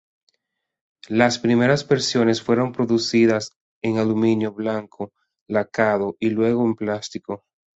Las primeras versiones fueron producidas en aluminio blanco lacado, y luego en plástico.